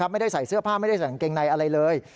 ไม่ได้ใส่เสื้อผ้าไม่ได้ใส่กางเกงในอะไรเลย